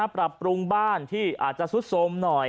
ปรับปรุงบ้านที่อาจจะซุดโทรมหน่อย